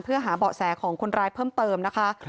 เพื่อหาเบาะแสของคนร้ายเพิ่มเติมนะคะ